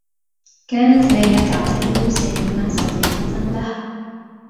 كانت ليلى تعتبر سليمة صديقة لها.